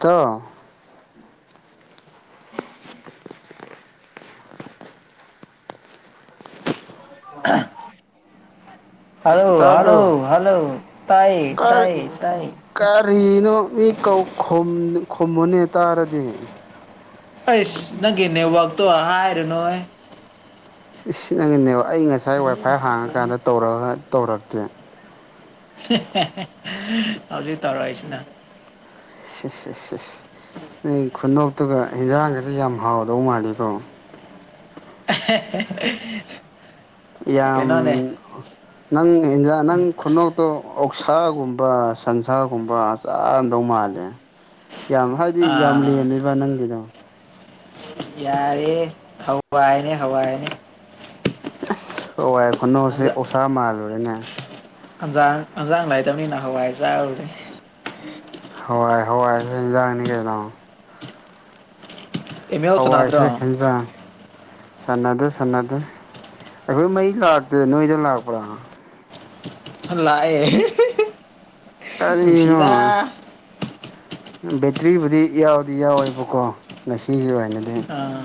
ꯇꯣ [unintelligible] ꯑꯍꯥ hello hello ꯇꯥꯕ꯭ꯔꯣ hello ꯇꯥꯏꯌꯦ ꯀꯥꯏ ꯇꯥꯏꯌꯦ ꯇꯥꯏꯌꯦ ꯀꯔꯤꯅꯣ ꯃꯤ ꯀꯧ ꯈꯨꯝ ꯈꯨꯝꯃꯨꯅꯦ ꯇꯥꯔꯗꯤ ꯑꯩꯁ ꯅꯪꯒꯤ ꯅꯦꯠꯋꯥꯛꯇꯣ ꯍꯥꯏꯔꯨꯅꯣ ꯍꯦ ꯏꯁ ꯅꯪꯒꯤ ꯅꯦꯠꯋꯥꯛ ꯑꯩ ꯉꯁꯥꯏ ꯋꯥꯏ ꯐꯥꯏ ꯍꯥꯡꯉꯀꯥꯟꯗ ꯇꯧꯔꯒꯥ ꯇꯧꯔꯛꯇꯦ ꯍꯦ ꯍꯦ ꯍꯦ ꯍꯧꯖꯤꯛ ꯇꯧꯔꯛꯏꯁꯤꯅ ꯁꯤꯁ ꯁꯤꯁ ꯅꯪꯒꯤ ꯈꯨꯅꯣꯛꯇꯨꯒ ꯍꯤꯟꯖꯥꯡꯒꯥꯁꯦ ꯌꯥꯝ ꯍꯥꯎꯗꯧ ꯃꯥꯜꯂꯤꯀꯣ ꯑꯦꯍꯦ ꯍꯦ ꯍꯦ ꯌꯥꯝ ꯅꯪ ꯏꯟꯖꯥꯡ ꯅꯪ ꯈꯨꯅꯣꯛꯇꯣ ꯑꯣꯛꯁꯥꯒꯨꯝꯕ ꯁꯟꯁꯥꯒꯨꯝꯕ ꯆꯥꯔꯝꯗꯧ ꯃꯥꯜꯂꯦ ꯌꯥꯝ ꯍꯥꯏꯗꯤ ꯌꯥꯝ ꯑꯥ ꯂꯦꯝꯃꯦꯕ ꯅꯪꯒꯤꯗꯣ ꯌꯥꯔꯦꯍꯦ ꯍꯋꯥꯏꯅꯦ ꯍꯋꯥꯏꯅꯦ ꯑꯁ ꯋꯥꯏ ꯈꯨꯟꯅꯣꯛꯁꯦ ꯍꯟꯖꯥꯡ ꯑꯣꯛꯁꯥ ꯃꯥꯜꯂꯨꯔꯦꯅꯦ ꯍꯟꯖꯥꯡ ꯍꯟꯖꯥꯡ ꯂꯩꯇꯕꯅꯤꯅ ꯍꯋꯥꯏ ꯆꯥꯔꯨꯔꯦ ꯍꯋꯥꯏ ꯍꯋꯥꯏ ꯌꯦꯟꯖꯥꯡꯅꯤ ꯀꯩꯅꯣ ꯑꯦꯝ ꯑꯦꯜ ꯍꯋꯥꯏꯁꯨ ꯁꯥꯟꯅꯗ꯭ꯔꯣ ꯍꯦꯟꯖꯥꯡ ꯁꯥꯟꯅꯗꯦ ꯁꯥꯟꯅꯗꯦ ꯑꯩꯈꯣꯏ ꯃꯩ ꯂꯥꯛꯇꯦ ꯅꯣꯏꯗ ꯂꯥꯛꯄ꯭ꯔꯥ ꯂꯥꯛꯑꯦ ꯍꯦ ꯍꯦ ꯍꯦ ꯀꯔꯤꯅꯣ ꯕꯦꯇ꯭ꯔꯤꯕꯨꯗꯤ ꯌꯥꯎꯗꯤ ꯌꯥꯎꯋꯦꯕꯀꯣ ꯉꯁꯤꯒꯤ ꯑꯣꯏꯅꯗꯤ ꯑꯥ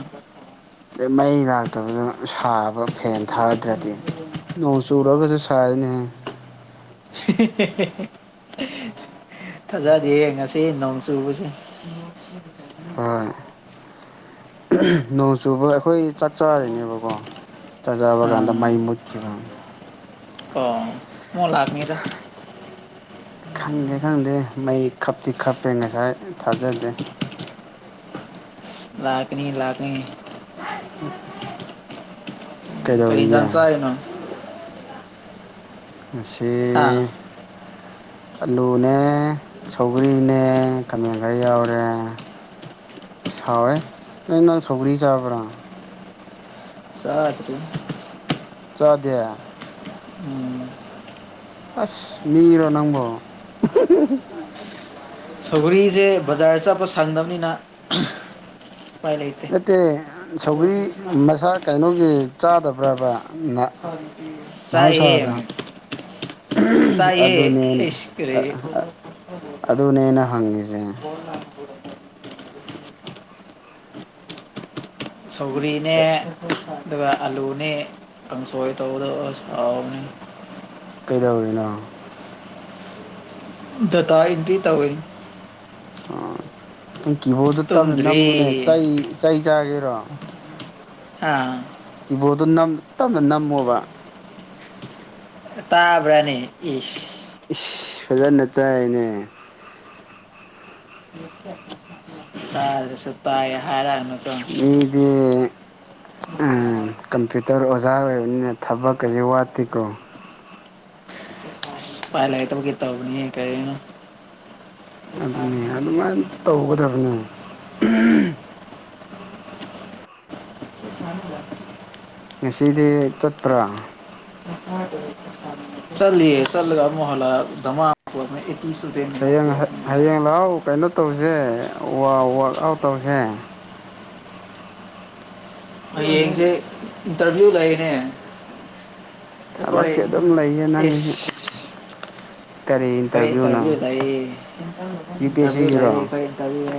ꯑꯗꯩ ꯃꯩ ꯂꯥꯛꯇꯕꯗꯨ ꯁꯥꯕ ꯐꯦꯟ ꯊꯥꯗ꯭ꯔꯗꯤ ꯅꯣꯡ ꯆꯨꯔꯒꯁꯨ ꯁꯥꯏꯌꯦꯅꯦ ꯍꯦ ꯍꯦ ꯍꯦ ꯊꯥꯖꯗꯦꯍꯦ ꯉꯁꯤ ꯅꯣꯡ ꯆꯨꯕꯁꯦ [unintelligible] ꯍꯣꯏ ꯅꯣꯡ ꯆꯨꯕ ꯑꯩꯈꯣꯏ ꯆꯥꯛ ꯆꯥꯔꯤꯅꯦꯕꯀꯣ ꯆꯥꯛ ꯆꯥꯕꯥ ꯀꯥꯟꯗ ꯃꯩ ꯃꯨꯠꯈꯤꯕ ꯑꯥꯎ ꯄꯣꯠ ꯂꯥꯛꯅꯤꯗ ꯈꯪꯗꯦ ꯈꯪꯗꯦ ꯃꯩ ꯈꯞꯇꯤ ꯈꯞꯄꯦ ꯉꯁꯥꯏ ꯊꯥꯖꯗꯦ ꯂꯥꯛꯀꯅꯤ ꯂꯥꯛꯀꯅꯤ ꯎꯝ ꯀꯔꯤ ꯏꯟꯖꯥꯡ ꯆꯔꯤꯅꯣ ꯉꯁꯤ ꯍꯥ ꯑꯜꯂꯨꯅꯦ ꯁꯧꯒ꯭ꯔꯤꯅꯦ ꯈꯥꯃꯦꯟ ꯈꯔ ꯌꯥꯎꯔꯦ ꯁꯥꯎꯋꯦꯍꯦ ꯅꯪ ꯅꯪ ꯁꯧꯒ꯭ꯔꯤ ꯆꯥꯕ꯭ꯔꯥ ꯆꯥꯗ꯭ꯔꯤ ꯆꯥꯗꯦ ꯎꯝ ꯑꯁ ꯃꯤꯔꯣ ꯅꯪꯕꯣ ꯁꯧꯒ꯭ꯔꯤꯁꯦ ꯕꯖꯥꯔ ꯆꯠꯄ ꯁꯪꯗꯕꯅꯤꯅ ꯎꯄꯥꯏ ꯂꯩꯇꯦ ꯅꯠꯇꯦ ꯁꯧꯒ꯭ꯔꯤ ꯃꯁꯥ ꯀꯩꯅꯣꯒꯤ ꯆꯥꯗꯕ꯭ꯔꯕ ꯆꯥꯏꯍꯦ ꯃꯍꯧꯁꯥꯗ ꯆꯥꯏꯍꯦ ꯑꯗꯨꯅꯦ ꯏꯁ ꯀꯔꯤ ꯑꯗꯨꯅꯦꯅ ꯍꯪꯉꯤꯁꯦ [unintelligible] ꯁꯧꯒ꯭ꯔꯤꯅꯦ ꯑꯦ ꯑꯗꯨꯒ ꯑꯂꯨꯅꯦ ꯀꯥꯡꯁꯣꯏ ꯇꯧꯕꯗꯣ ꯍꯥꯎꯕꯅꯤꯍꯦ ꯀꯩꯗꯧꯔꯤꯅꯣ ꯗꯇꯥ ꯏꯇ꯭ꯔꯤ ꯇꯧꯔꯤꯅꯤ ꯅꯩ ꯀꯤꯕꯣꯔꯗꯇꯣ ꯇꯞꯅ ꯇꯨꯝꯗ꯭ꯔꯤ ꯅꯝꯃꯨꯅꯦ ꯆꯩ ꯆꯩ ꯆꯥꯒꯦꯔꯣ ꯑꯥ ꯀꯤꯕꯣꯔꯠꯇꯣ ꯅꯝ ꯇꯞꯅ ꯅꯝꯃꯣꯕ ꯇꯥꯕ꯭ꯔꯥꯅꯦ ꯏꯁ ꯏꯁ ꯐꯖꯅ ꯇꯥꯏꯌꯦꯅꯦ [unintelligible] ꯇꯥꯗ꯭ꯔꯥꯁꯨ ꯇꯥꯏ ꯍꯥꯏꯔꯛꯑꯅꯨ ꯃꯤꯗꯤ ꯑꯥ ꯀꯝꯄ꯭ꯌꯨꯇꯔ ꯑꯣꯖꯥ ꯑꯣꯏꯔꯕꯅꯤꯅ ꯊꯕꯛꯀꯖꯦ ꯋꯥꯠꯇꯦꯀꯣ ꯎꯄꯥꯏ ꯂꯩꯇꯕꯩ ꯇꯧꯕꯅꯤꯍꯦ ꯀꯩꯅꯣ ꯑꯗꯨꯅꯦ ꯑꯗꯨꯃꯥꯏꯅ ꯇꯧꯒꯗꯕꯅꯦ [unintelligible] ꯉꯁꯤꯗꯤ ꯆꯠꯇ꯭ꯔꯥ [unintelligible] ꯆꯠꯂꯤꯌꯦ ꯆꯠꯂꯒ ꯑꯃꯨꯛ ꯍꯜꯂꯛꯑꯒ ꯙꯃ ꯍꯌꯦꯡ ꯍꯌꯦꯡ [unintelligible] ꯂꯥꯛꯑꯣ ꯀꯩꯅꯣ ꯇꯧꯁꯦ ꯋꯥ ꯋꯥ ꯋꯔꯥꯛ ꯑꯥꯎꯠ ꯇꯧꯁꯦ ꯍꯌꯦꯡꯁꯦ ꯏꯟꯇꯔꯚꯤꯌꯨ ꯂꯩꯅꯦ ꯑꯩꯈꯣꯏ ꯊꯕꯛꯇꯤ ꯑꯗꯨꯝ ꯂꯩꯌꯦ ꯅꯪꯒꯤꯁꯨ ꯏꯁ ꯀꯔꯤ ꯑꯩꯈꯣꯏ ꯏꯟꯇꯔꯚꯤꯌꯨ ꯏꯟꯇꯔꯚꯤꯌꯨꯅꯣ ꯂꯩꯌꯦ ꯌꯨ ꯄꯤ ꯑꯦꯁ ꯏꯟꯇꯔꯚꯤꯌꯨ ꯁꯤꯒꯤꯔꯣ ꯂꯩꯌꯦ ꯑꯩꯈꯣꯏ ꯀꯔꯤꯌꯦ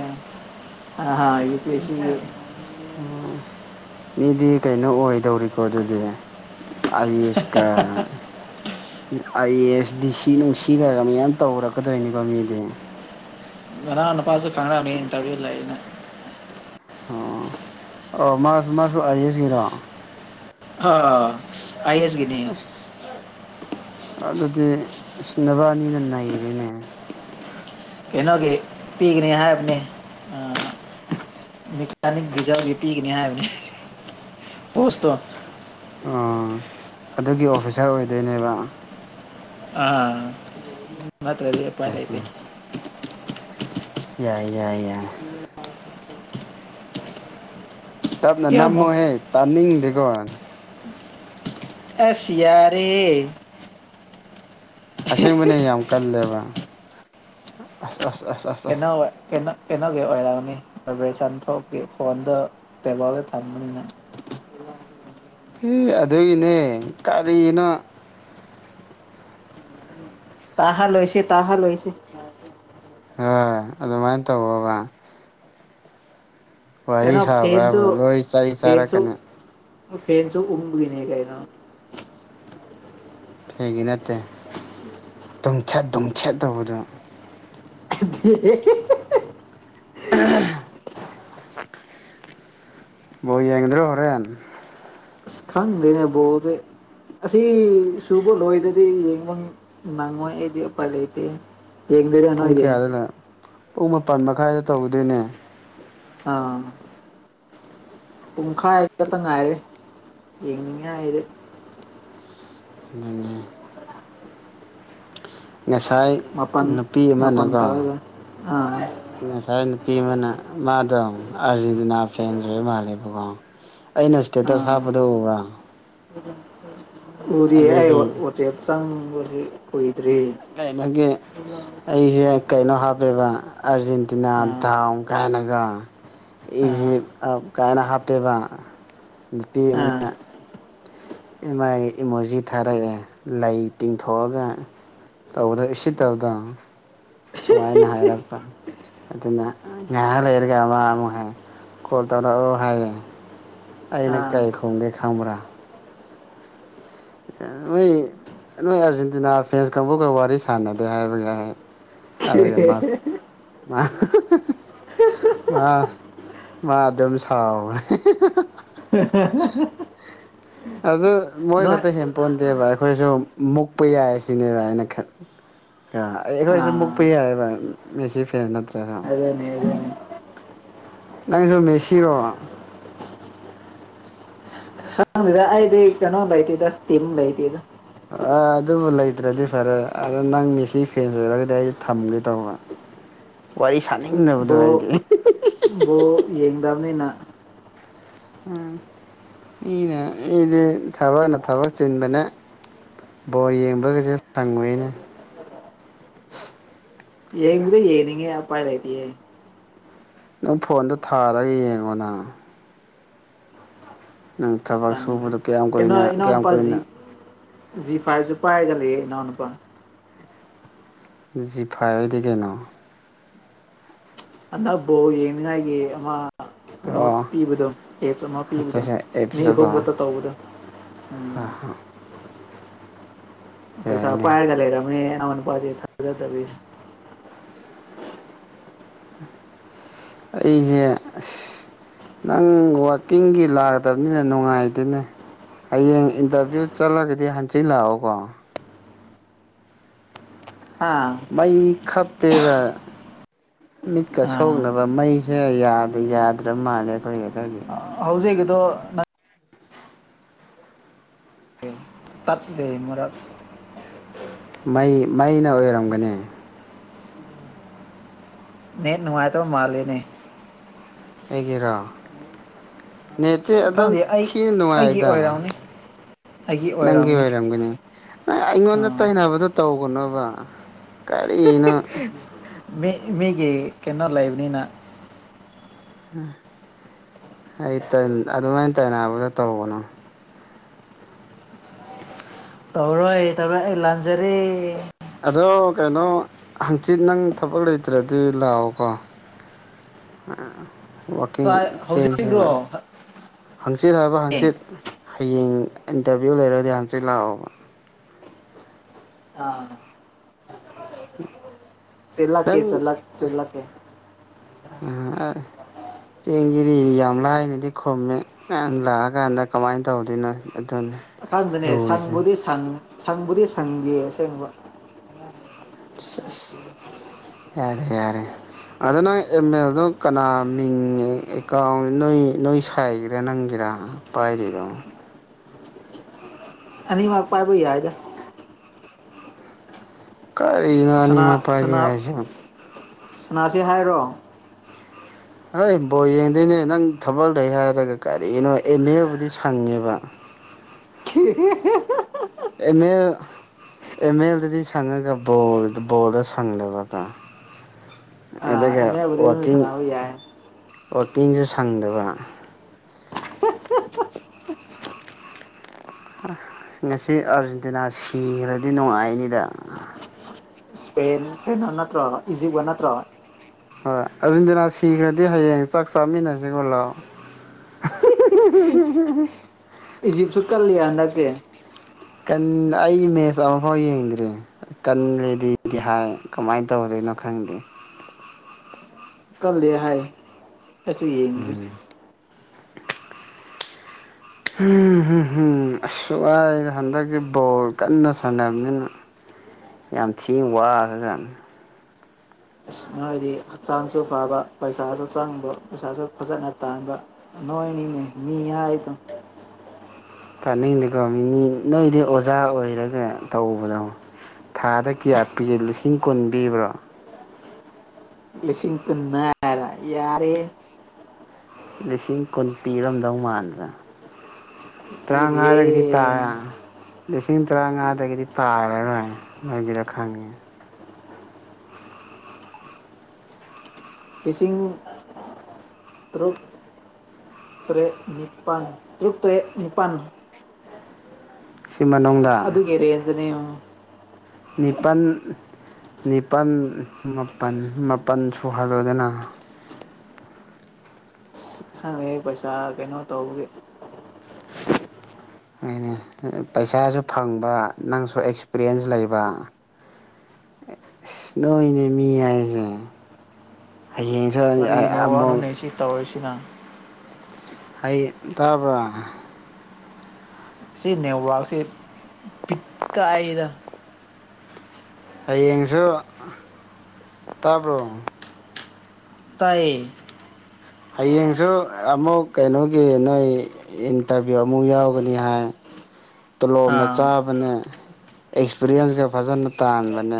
ꯑꯍꯥ ꯏ ꯌꯨ ꯄꯤ ꯁꯤ ꯑꯦꯁꯀꯤ ꯑꯣ ꯃꯤꯗꯤ ꯀꯩꯅꯣ ꯑꯣꯏꯗꯧꯔꯤꯀꯣ ꯑꯗꯨꯗꯤ ꯑꯥꯏ ask I A S D ꯁꯤ ꯅꯨꯡꯁꯤ ꯈꯔ ꯃꯌꯥꯝ ꯇꯧꯔꯛꯀꯗꯣꯏꯅꯤꯀꯣ ꯃꯤꯗꯤ ꯚꯥꯔꯥ ꯅꯨꯄꯥꯖꯨ ꯈꯪꯅꯕꯅꯦ ꯏꯟꯇꯔꯚꯤꯌꯨ ꯂꯩꯌꯦꯅꯦ ꯑꯣ ꯑꯣ ꯃꯥꯁꯨ ꯃꯥꯁꯨ ꯑꯥꯏ ꯑꯦꯁꯒꯤꯔꯣ ꯑꯥ ꯑꯥꯥꯏ ꯑꯦꯁꯀꯤ ꯑꯁ ꯑꯗꯨꯗꯤ ꯅꯕꯥꯟꯅꯤꯅ ꯅꯩꯔꯦꯅꯦ ꯀꯅꯣꯒꯤ ꯄꯤꯒꯅꯤ ꯄꯤꯒꯤꯅꯤ ꯍꯥꯏꯔꯝꯃꯦ ꯃꯀꯥꯅꯤ ꯖꯥꯎꯒꯤ ꯄꯤꯒꯅꯤ ꯍꯥꯏꯕꯅꯤ ꯄꯣꯁꯇꯣ ꯑꯣ ꯑꯗꯨꯒꯤ ꯑꯣꯐꯤꯁꯥꯔ ꯑꯣꯏꯗꯣꯏꯅꯦꯕ ꯑ ꯅꯠꯇ꯭ꯔꯗꯤ ꯎꯄꯥꯏ ꯂꯩꯇꯦ ꯌꯥꯏ ꯌꯥꯏ ꯌꯥꯏ ꯇꯞꯅ ꯀꯌꯥꯃꯨꯛ ꯅꯝꯃꯣꯍꯦ ꯇꯥꯅꯤꯡꯗꯦꯀꯣ ꯑꯁꯤꯁꯤꯌꯥꯔꯦ ꯑꯁꯦꯡꯕꯅꯦ ꯌꯥꯝ ꯀꯜꯂꯦꯕ ꯑꯁ ꯑꯁ ꯑꯁ ꯑꯁ ꯑꯁ ꯀꯦꯗꯥꯋꯦ ꯀꯦꯗ ꯀꯩꯅꯣꯒꯤ ꯑꯣꯏꯔꯛꯑꯅꯤ ꯑꯣꯄꯔꯦꯁꯟ ꯊꯣꯛꯀ ꯐꯣꯟꯗ ꯇꯦꯕꯜꯗ ꯊꯝꯕꯅꯤꯅ ꯑꯦ ꯑꯗꯨꯒꯤꯅꯦ ꯀꯔꯤꯅꯣ ꯇꯥꯍꯥ ꯂꯣꯏꯁꯤ ꯇꯥꯍꯥ ꯂꯣꯏꯁꯤ ꯍꯣꯏ ꯑꯗꯨꯃꯥꯏꯅ ꯇꯧꯒ꯭ꯔꯕ ꯀꯩꯅꯣ ꯋꯥꯔꯤ ꯐꯦꯟꯁꯨ ꯁꯥꯕ꯭ꯔꯕꯨ ꯂꯣꯏ ꯆꯩ ꯐꯦꯟꯁꯨ ꯆꯥꯔꯛꯀꯅꯤ ꯐꯦꯟꯁꯨꯁꯨ ꯎꯃꯕꯤꯅꯦ ꯀꯩꯅꯣ ꯐꯩꯒꯤ ꯅꯠꯇꯦ ꯇꯨꯝꯊꯦꯠ ꯇꯨꯝꯊꯦꯠ ꯇꯧꯕꯗꯣ [unintelligible] [unintelligible] ꯕꯣ ꯌꯥꯡꯒꯗ꯭ꯔꯣ ꯍꯣꯔꯦꯟ ꯑꯁ ꯈꯪꯗꯦꯅꯦ ꯕꯣꯜꯖꯤ ꯑꯁꯤ ꯁꯨꯕ ꯂꯣꯏꯗ꯭ꯔꯗꯤ ꯌꯦꯡꯕ ꯅꯪꯉꯣꯏ ꯑꯩꯗꯤ ꯎꯄꯥꯏ ꯂꯩꯇꯦ ꯌꯦꯡꯗꯣꯏꯔꯥ ꯄꯨꯡ ꯅꯣꯏꯗꯤ ꯀꯌꯥꯗꯅꯣ ꯄꯨꯡ ꯃꯥꯄꯥꯟ ꯃꯈꯥꯏꯗ ꯇꯧꯗꯣꯏꯅꯦ ꯑꯥ ꯄꯨꯡꯈꯥꯏ ꯈꯛꯇ ꯉꯥꯏꯔꯦ ꯌꯦꯡꯅꯤꯡꯉꯥꯏ ꯔꯦ ꯑꯗꯨꯅꯤ ꯉꯁꯥꯏ ꯃꯥꯄꯥꯟ ꯅꯨꯄꯤ ꯃꯥꯄꯥꯟ ꯑꯃꯅꯀꯣ ꯇꯧꯔꯒ ꯑꯥ ꯉꯁꯥꯏ ꯅꯨꯄꯤ ꯑꯃꯅ ꯃꯥꯗꯣ ꯑꯥꯔꯖꯦꯟꯇꯤꯅꯥ ꯐꯦꯟꯁ ꯑꯣꯏꯕ ꯃꯥꯜꯂꯦꯕꯀꯣ ꯑꯩꯅ ꯏꯁꯇꯦꯇꯁ ꯑꯥ ꯍꯥꯞꯄꯗ ꯎꯕ꯭ꯔꯥ ꯎꯗꯤ ꯑꯩ ꯑꯗꯒꯤ ꯑꯣꯇꯦꯞ ꯆꯪꯕꯗꯤ ꯀꯨꯏꯗ꯭ꯔꯤ ꯀꯩꯅꯣꯒꯤ ꯑꯩꯁꯦ ꯀꯩꯅꯣ ꯍꯥꯞꯄꯦꯕ ꯑꯥꯔꯖꯦꯟꯇ ꯇꯤꯅꯥ ꯑꯥ ꯗꯥꯎꯟ ꯀꯥꯏꯅꯒ ꯏꯁꯤ ꯑꯥ ꯀꯥꯏꯅ ꯍꯥꯞꯇꯦꯕ ꯅꯨꯄꯤ ꯑꯥ ꯑꯃꯅ ꯏꯃꯥꯏ ꯏꯃꯣꯏꯖꯤ ꯊꯥꯔꯛꯑꯦ ꯂꯩ ꯇꯤꯡꯊꯣꯛꯑꯒ ꯇꯧꯕꯗꯣ ꯏꯁꯤꯠꯇꯕꯗꯣ ꯁꯨꯃꯥꯏꯅ ꯍꯥꯏꯔꯛꯄ ꯑꯗꯨꯅ ꯉꯥꯏꯍꯥꯛ ꯂꯩꯔꯒ ꯑꯃ ꯑꯃꯨꯛ ꯍꯥꯏ ꯀꯣꯜ ꯇꯧꯔꯛꯑꯣ ꯍꯥꯏꯌꯦ ꯑꯩꯅ ꯑꯥ ꯀꯩ ꯈꯨꯝꯒꯦ ꯈꯪꯕ꯭ꯔꯥ ꯅꯣꯏ ꯅꯣꯏ ꯑꯥꯔꯖꯦꯟꯇꯤꯅꯥ ꯐ꯭ꯔꯦꯟꯁ ꯀꯥꯡꯕꯨꯒ ꯋꯥꯔꯤ ꯁꯥꯟꯅꯗꯦ ꯍꯥꯏꯕ ꯌꯥꯏ ꯑꯗꯨꯒ ꯃꯥꯁ ꯃꯥ ꯃꯥ ꯑꯗꯨꯝ ꯁꯥꯎꯒꯦ ꯍ [unintelligible] ꯑꯗꯨ ꯃꯣꯏ ꯈꯛꯇ ꯍꯦꯟꯄꯣꯟꯗꯦꯕ ꯑꯩꯈꯣꯏꯁꯨ ꯃꯨꯛꯄ ꯌꯥꯏ ꯁꯤꯅꯦꯕ ꯍꯥꯏꯅ ꯈ ꯑꯩ ꯑꯩꯈꯣꯏꯁꯨ ꯑꯥ ꯃꯨꯛꯄ ꯌꯥꯏꯑꯕ ꯃꯦꯁꯤ ꯐꯦꯟ ꯅꯠꯇ꯭ꯔꯒ ꯑꯗꯨꯅꯦ ꯑꯗꯨꯅꯦ ꯅꯪꯁꯨ ꯃꯦꯁꯤꯔꯣ ꯈꯪꯗꯦꯗ ꯑꯩꯗꯤ ꯀꯅꯣ ꯂꯩꯇꯦꯗ ꯇꯤꯝ ꯂ ꯂꯩꯏꯇꯦꯗ ꯑ ꯑꯗꯨꯕꯨ ꯂꯩꯇ꯭ꯔꯗꯤ ꯐꯔꯦ ꯑꯗ ꯅꯪ ꯃꯦꯁꯤ ꯐꯦꯟꯁ ꯑꯣꯏꯔꯒꯗꯤ ꯑꯩꯁꯨ ꯊꯝꯒꯦ ꯇꯧꯕ ꯋꯥꯔꯤ ꯁꯥꯅꯤꯡꯗꯕꯗꯣ ꯍꯥꯏꯗꯤ ꯑꯣ ꯌꯦꯡꯗꯝꯅꯤꯅ ꯎꯝ [unintelligible] ꯑꯩꯗꯤ ꯊꯕꯛꯅ ꯊꯕꯛ ꯆꯤꯟꯕꯅꯦ ꯕꯣꯜ ꯌꯦꯡꯕꯒꯁꯨ ꯁꯪꯉꯨꯏꯅꯦ ꯌꯦꯡꯕꯨꯗꯤ ꯌꯦꯡꯅꯤꯡꯉꯦ ꯎꯄꯥꯏ ꯂꯩꯇꯦ ꯅꯪ ꯐꯣꯟꯗꯣ ꯊꯥꯔꯒ ꯌꯦꯡꯉꯣ ꯅ ꯅꯪ ꯑꯁ ꯊꯕꯛ ꯇꯟꯈ꯭ꯔꯦ ꯁꯨꯕꯗꯣ ꯀꯌꯥꯝ ꯀꯩꯅꯣ ꯀꯨꯏꯅ ꯀꯌꯥꯝ ꯏꯅꯥꯎꯅꯨꯄꯥ ꯖꯤ ꯀꯨꯏꯅ ꯖꯤ ꯐꯥꯏꯚꯁꯨ ꯄꯥꯏꯔꯒ ꯂꯩꯌꯦ ꯏꯅꯥꯎ ꯅꯨꯄꯥ ꯖꯤꯐꯥꯏꯗꯤ ꯀꯩꯅꯣ ꯍꯟꯗꯛ ꯕꯣꯜ ꯌꯦꯡꯅꯤꯉꯥꯏꯒꯤ ꯑꯃ ꯀꯩꯅꯣ ꯑꯣ ꯄꯤꯕꯗꯣ ꯑꯦꯞꯁ ꯑꯃ ꯄꯤꯕꯗꯣ ꯑꯠꯆꯥꯆꯥ ꯃꯤ ꯑꯍꯨꯝ ꯈꯛꯇ ꯇꯧꯕꯗꯣ ꯎꯝ ꯍ ꯍ ꯄꯩꯁꯥ ꯌꯥꯏꯅꯦ ꯄꯥꯏꯔꯒ ꯂꯩꯔꯝꯃꯦ ꯏꯅꯥꯎ ꯅꯨꯄꯥꯁꯦ ꯊꯥꯖꯗꯕꯤꯗ ꯑꯩꯁꯦ ꯑꯁ ꯅꯪ ꯋꯥꯛꯀꯤꯡꯒꯤ ꯂꯥꯛꯇꯕꯅꯤꯅ ꯅꯨꯡꯉꯥꯏꯇꯦꯅꯦ ꯍꯌꯦꯡ ꯏꯟꯇꯔꯚꯤꯌꯨ ꯆꯠꯂꯒꯗꯤ ꯍꯟꯆꯤꯠ ꯂꯥꯛꯑꯣꯀꯣ ꯍꯥ ꯃꯩ ꯈꯞꯇꯦꯗ ꯃꯤꯠꯀ ꯑꯥ ꯁꯣꯛꯅꯕ ꯃꯩꯁꯦ ꯌꯥꯗ꯭ꯔ ꯌꯥꯗ꯭ꯔꯕ ꯃꯥꯜꯂꯦ ꯑꯩꯈꯣꯏ ꯍꯧꯖꯤꯛꯀꯤꯗꯣ ꯇꯠꯂꯦ ꯃꯔꯛ ꯃꯩ ꯃꯩꯅ ꯑꯣꯏꯔꯝꯒꯅꯤ ꯅꯦꯠ ꯅꯨꯡꯉꯥꯏꯇꯕ ꯃꯥꯜꯂꯤꯅꯦ ꯑꯩꯒꯤꯔꯣ ꯅꯦꯠꯇꯤ ꯑꯗꯨꯝ ꯈꯪꯗꯦ ꯑꯩ ꯊꯤꯅ ꯑꯩꯒꯤ ꯅꯨꯡꯉꯥꯏꯗ ꯑꯣꯏꯔꯝꯅꯤ ꯑꯩꯒꯤ ꯅꯪꯒꯤ ꯑꯣꯏꯔꯝꯅꯤ ꯑꯣꯏꯔꯝꯒꯅꯤ ꯅꯪ ꯑꯩꯉꯣꯟꯗ ꯑꯥ ꯇꯩꯅꯕꯗꯣ ꯇꯧꯒꯅꯨꯕ ꯀꯔꯤꯅꯣ [unintelligible] ꯃꯤ ꯃꯤꯒꯤ ꯀꯩꯅꯣ ꯂꯩꯕꯅꯤꯅ ꯎꯝ ꯑꯩ [unintelligible] ꯑꯗꯨꯃꯥꯏꯅ ꯇꯥꯏꯅꯕꯗꯣ ꯇꯧꯒꯅꯣ ꯇꯧꯔꯣꯏ ꯇꯧꯔꯣꯏ ꯑꯩ ꯂꯥꯟꯖꯔꯦ ꯑꯗꯣ ꯀꯩꯅꯣ ꯍꯪꯆꯤꯠ ꯅꯪ ꯊꯕꯛ ꯂꯩꯇ꯭ꯔꯗꯤ ꯂꯥꯛꯑꯣꯀꯣ ꯑ ꯋꯥꯀꯤꯡ ꯀꯥꯏ ꯍꯧꯖꯤꯛꯔꯣ ꯆꯦꯟꯁꯦꯕ ꯍꯥꯡꯆꯤꯠ ꯍꯥꯏꯕ ꯑꯦ ꯍꯥꯡꯆꯤꯠ ꯍꯌꯦꯡ ꯏꯟꯇꯔꯚꯤꯌꯨ ꯂꯣꯏꯔꯒꯗꯤ ꯍꯥꯡꯆꯤꯠ ꯂꯥꯛꯑꯣꯕ ꯑꯥ [inaudible] ꯆꯦꯜꯂꯛꯀꯦ ꯅꯪ ꯆꯜꯂꯛ ꯆꯦꯜꯂꯛꯀꯦ ꯑ ꯆꯦꯡꯁꯤꯗꯤ ꯌꯥꯝ ꯂꯥꯏꯅꯗꯤ ꯈꯨꯝꯃꯦ ꯅꯪ ꯂꯥꯛꯑꯀꯥꯟꯗ ꯀꯃꯥꯏꯅ ꯇꯧꯗꯣꯏꯅꯣ ꯑꯗꯨꯅꯤ [unintelligible] ꯂꯨꯔꯤꯁꯦ ꯁꯪꯕꯨꯗꯤ ꯁꯪ ꯁꯪꯕꯨꯗꯤ ꯁꯪꯗꯦ ꯑꯁꯦꯡꯕ ꯁꯦꯆ ꯌꯥꯔꯦ ꯌꯥꯔꯦ ꯑꯗꯣ ꯅꯪ ꯑꯦꯝꯃꯦꯜꯗꯣ ꯀꯅꯥ ꯃꯤꯡ ꯑꯦꯀꯥꯎꯟ ꯅꯣꯏ ꯅꯣꯏ ꯁꯥꯏꯒꯤꯔꯥ ꯅꯪꯒꯤꯔꯥ ꯄꯥꯏꯔꯤꯔꯣ ꯑꯅꯤꯃꯛ ꯄꯥꯏꯕ ꯌꯥꯏꯗ ꯀꯔꯤꯅꯣ ꯑꯅꯤ ꯁꯅꯥ ꯃꯛ ꯄꯥꯏꯕꯩ ꯁꯅꯥ ꯍꯥꯏꯁꯤꯕꯣ ꯁꯅꯥꯁꯤ ꯍꯥꯏꯔꯣ ꯍꯏ ꯕꯣ ꯌꯦꯡꯗꯣꯏꯅꯦ ꯅꯪ ꯊꯕꯛ ꯂꯩ ꯍꯥꯏꯔꯒ ꯀꯔꯤꯒꯤꯅꯣ ꯑꯦꯝꯑꯦꯜꯕꯨꯗꯤ ꯁꯪꯉꯦꯕ [unintelligible] ꯑꯦꯝꯃꯦꯜ ꯑꯦꯝꯃꯦꯜꯗꯗꯤ ꯁꯪꯉꯒꯕꯣꯜꯗ ꯕꯣꯜꯗ ꯁꯪꯂꯕꯒ ꯑꯗꯨꯒ ꯑꯦꯝ ꯑꯦꯕꯨꯗꯤ ꯑꯗꯨꯝ ꯋꯥꯛꯀꯤꯡ ꯁꯥꯟꯅꯕ ꯌꯥꯏ ꯋꯥꯛꯀꯤꯡꯁꯨ ꯁꯪꯗꯕ ꯉꯁꯤ ꯑꯥꯔꯖꯦꯟꯇꯤꯅꯥ ꯁꯤꯈ꯭ꯔꯗꯤ ꯅꯨꯡꯉꯥꯏꯅꯤꯗ ꯁ꯭ꯄꯦꯟ ꯀꯩꯅꯣ ꯅꯠꯇ꯭ꯔꯣ ꯏꯖꯤꯞꯒ ꯅꯠꯇ꯭ꯔꯣ ꯍꯣꯏ ꯑꯔꯖꯦꯟꯗꯤꯅꯥ ꯁꯤꯈ꯭ꯔꯗꯤ ꯍꯌꯦꯡ ꯆꯥꯛ ꯆꯥꯃꯤꯟꯅꯁꯤꯀꯣ ꯂꯥꯛꯑꯣ [unintelligible] ꯏꯖꯤꯞꯁꯨ ꯀꯜꯂꯤ ꯍꯟꯗꯛꯁꯦ ꯀꯟ ꯑꯩ ꯃꯦꯁ ꯑꯝꯐꯥꯎ ꯌꯦꯡꯗ꯭ꯔꯤ ꯀꯟꯒ꯭ꯔꯦꯗꯤꯗꯤ ꯍꯥꯏ ꯀꯝꯃꯥꯏ ꯇꯧꯔꯤꯅꯣ ꯈꯪꯗꯦ ꯀꯜꯂꯦ ꯍꯥꯏ ꯑꯩꯁꯨ ꯌꯦꯡꯗ꯭ꯔꯤ ꯨꯑꯁ ꯋꯥꯏꯗ ꯍꯟꯗꯛꯁꯦ ꯕꯣꯜ ꯀꯟꯅ ꯁꯥꯟꯅꯕꯅꯤꯅ ꯌꯥꯝ ꯊꯤꯅ ꯋꯥꯈ꯭ꯔꯖꯥꯅꯦ ꯑꯁ ꯅꯣꯏꯗꯤ ꯍꯛꯆꯥꯡꯁꯨ ꯐꯕ ꯄꯩꯁꯥꯁꯨ ꯆꯪꯕ ꯄꯩꯁꯥꯁꯨ ꯐꯖꯅ ꯇꯥꯟꯕ ꯅꯣꯏꯅꯤꯅꯦ ꯃꯤ ꯍꯥꯏꯗꯣ ꯇꯥꯅꯤꯡꯗꯦꯀꯣ ꯅꯤ ꯅꯣꯏꯗꯤ ꯑꯣꯖꯥ ꯑꯣꯏꯔꯒ ꯇꯧꯕꯗꯣ ꯊꯥꯗ ꯀꯌꯥ ꯄꯤꯒꯦ ꯂꯤꯁꯤꯡ ꯀꯨꯟ ꯄꯤꯕ꯭ꯔꯣ ꯂꯤꯁꯤꯡ ꯀꯨꯟ ꯍꯥꯏꯔ ꯌꯥꯔꯦ ꯂꯤꯁꯤꯡ ꯀꯨꯟ ꯄꯤꯔꯝꯗꯧ ꯃꯥꯟꯗꯔ ꯄꯤꯗꯦ ꯇ꯭ꯔꯥꯡꯉꯥꯗꯒꯤꯗꯤ ꯇꯥ ꯂꯤꯁꯤꯡ ꯇꯔꯥꯡꯉꯥꯗꯒꯤꯗꯤ ꯇꯥꯔꯔꯣꯏ ꯅꯣꯏꯒꯤꯗꯣ ꯈꯪꯉꯦ ꯂꯤꯁꯤꯡ ꯇꯔꯨꯛ ꯇꯔꯦꯠ ꯅꯤꯄꯥꯟ ꯇꯔꯨꯛ ꯇꯔꯦꯠ ꯅꯤꯄꯥꯟ ꯁꯤ ꯑ ꯃꯅꯨꯡꯗ ꯑꯗꯨꯒꯤ ꯔꯦꯟꯖꯗꯅꯤ ꯌꯦꯡꯉꯣ ꯅꯤꯄꯟ ꯅꯤꯄꯟ ꯃꯥꯄꯟ ꯃꯥꯄꯟ ꯁꯨꯍꯜꯂꯣꯗꯅ ꯈꯪꯉꯦ ꯄꯩꯁꯥ ꯀꯩꯅꯣ ꯇꯧꯕꯒꯤ [inaudible] ꯍꯣꯢꯅꯦ ꯄꯩꯁꯥꯁꯨ ꯐꯪꯕ ꯅꯪꯁꯨ ꯑꯦꯛꯁꯄꯤꯔꯤꯌꯦꯟꯁ ꯂꯩꯕ ꯅꯣꯏꯅꯦ ꯃꯤ ꯍꯥꯏꯁꯦ ꯍꯌꯦꯡ ꯑꯩ ꯑꯥ ꯃꯣꯜ ꯇꯧꯔꯁꯤꯅ ꯍꯩ ꯇꯥꯕ꯭ꯔꯥ ꯁꯤ ꯅꯦꯠꯋꯥꯛꯁꯤ ꯄꯤꯠ ꯀꯥꯏꯗ ꯍꯌꯦꯡꯁꯨ ꯇꯥꯕ꯭ꯔꯣ ꯇꯥꯏꯌꯦ ꯍꯌꯦꯡꯁꯨ ꯑꯃꯨꯛ ꯀꯩꯅꯣꯒꯤ ꯅꯣꯏ ꯏꯟꯇꯔꯚꯤꯌꯨ ꯑꯃꯨꯛ ꯌꯥꯎꯒꯅꯤ ꯍꯥꯏ ꯇꯣꯂꯣꯞꯅ ꯑꯥ ꯆꯥꯕꯅꯦ ꯑꯦꯛꯁꯄꯤꯔꯤꯌꯦꯟꯁꯀ ꯐꯖꯅ ꯇꯥꯟꯕꯅꯦ